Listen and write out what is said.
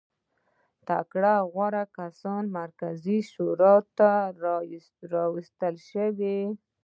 تکړه او غوره کسان مرکزي شورا ته راوستل شي.